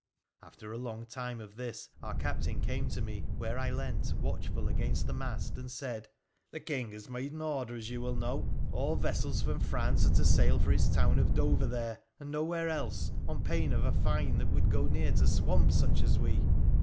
After a long time of this, our captain came to me where I leant, watchful, against the mast, and said —' The King has made an order, as you will know, all vessels from France are to sail for his town of Dover there, and no where else, on pain of a fine that would go near to swamp such as we.'